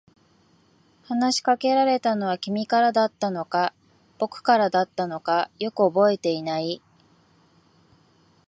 話しかけたのは君からだったのか、僕からだったのか、よく覚えていない。